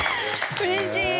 うれしい！